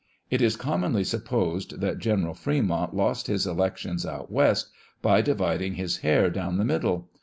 It is commonly supposed that General Fre mont lost his election out West by dividing his hair down the middle.